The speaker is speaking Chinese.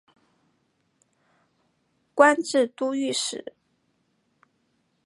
官至都御史。